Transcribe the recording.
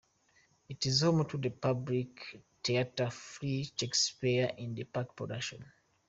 It is home to the Public Theater's free Shakespeare in the Park productions.